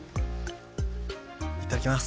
いただきます。